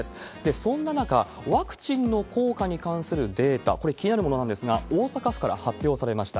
そんな中、ワクチンの効果に関するデータ、これ気になるものがあるんですが、大阪府から発表されました。